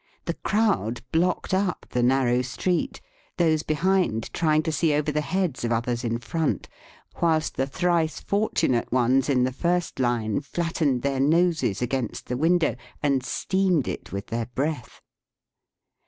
The crowd blocked up the narrow street, those behind trying to see over the heads of others in front, whilst the thrice fortunate ones in the first line flattened their noses against the window and steamed it with their breath.